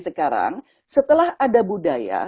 sekarang setelah ada budaya